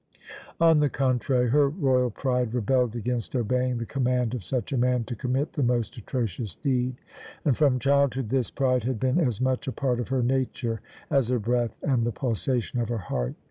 On the contrary, her royal pride rebelled against obeying the command of such a man to commit the most atrocious deed; and from childhood this pride had been as much a part of her nature as her breath and the pulsation of her heart.